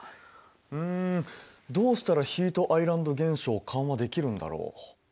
うんどうしたらヒートアイランド現象を緩和できるんだろう。